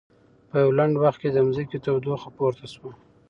په یوه لنډ وخت کې د ځمکې تودوخه پورته شوه.